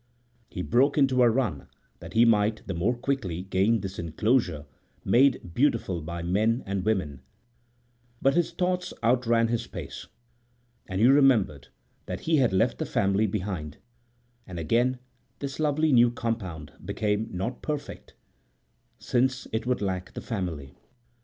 He broke into a run that he might the more quickly gain this inclosure made beautiful by men and women; but his thoughts outran his pace, and he remembered that he had left the family behind, and again this lovely new compound became not perfect, since it would lack the family.